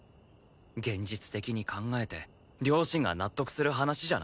現実的に考えて両親が納得する話じゃない。